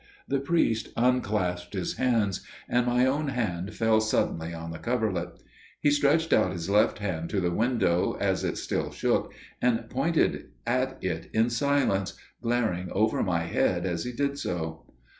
The priest unclasped his hands, and my own hand fell suddenly on the coverlet. He stretched out his left hand to the window as it still shook, and pointed at it in silence, glaring over my head as he did so.